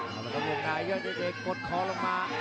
แล้วก็ลูกนายเยอะเจเจกดคอลงมา